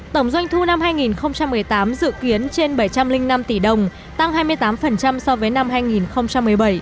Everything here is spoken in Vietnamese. tổng doanh thu năm hai nghìn một mươi tám dự kiến trên bảy trăm linh năm tỷ đồng tăng hai mươi tám so với năm hai nghìn một mươi bảy